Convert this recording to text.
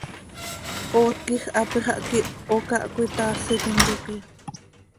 Oot quij hapi xah quiho cah cöitaasitim, yoque.